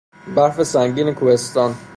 برف سنگین کوهستان.